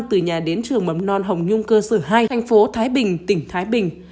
từ nhà đến trường mầm non hồng nhung cơ sở hai thành phố thái bình tỉnh thái bình